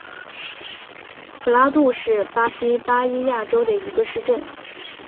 普拉杜是巴西巴伊亚州的一个市镇。